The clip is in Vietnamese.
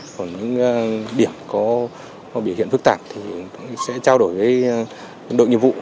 còn những điểm có biểu hiện phức tạp thì sẽ trao đổi với đội nghiệp vụ